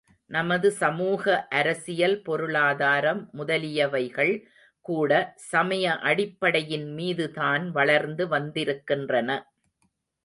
நமது சமூக அரசியல் பொருளாதாரம் முதலியவைகள் கூட சமய அடிப்படையின் மீதுதான் வளர்ந்து வந்திருக்கின்றன.